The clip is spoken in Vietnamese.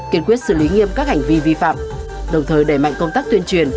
kiên quyết xử lý nghiêm các hành vi vi phạm đồng thời đẩy mạnh công tác tuyên truyền